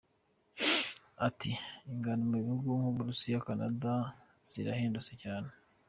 Ati “Ingano mu bihugu nk’u Burusiya na Canada zirahendutse cyane.